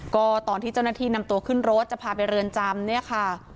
ก็ตอนที่เจ้าหน้าที่นำตัวขึ้นรถจะพาไปเรือนจำเนี่ยค่ะ